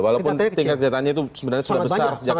walaupun tingkat kejahatannya itu sebenarnya sudah besar sejak awal